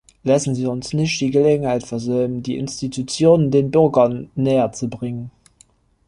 Lassen Sie uns nicht die Gelegenheit versäumen, die Institutionen den Bürgern näherzubringen.